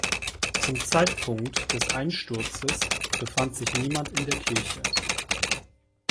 Zum Zeitpunkt des Einsturzes befand sich niemand in der Kirche.